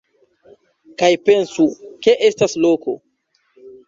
Kaj pensu, ke estas loko.